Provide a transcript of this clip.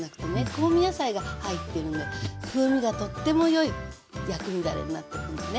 香味野菜が入ってるので風味がとってもよい薬味だれになってるのね。